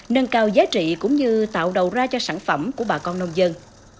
nâng cao giá trị cũng như tạo đầu ra cho sản phẩm của bà con nông dân